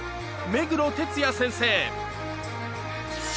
目黒哲也先生です。